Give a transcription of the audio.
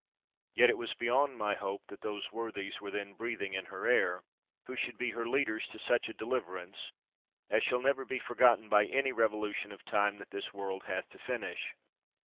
Yet was it beyond my hope that those worthies were then breathing in her air, who should be her leaders to such a deliverance, as shall never be forgotten by any revolution of time that this world hath to finish.